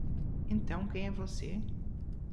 Então quem é você?